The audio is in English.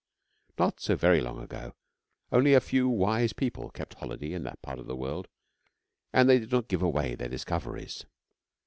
Not so very long ago only a few wise people kept holiday in that part of the world, and they did not give away their discoveries.